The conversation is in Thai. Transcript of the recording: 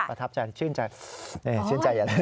ประทับใจชื่นใจชื่นใจอ่ะ